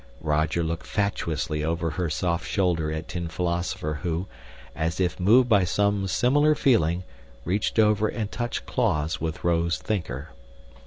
Roger looked fatuously over her soft shoulder at Tin Philosopher who, as if moved by some similar feeling, reached over and touched claws with Rose Thinker.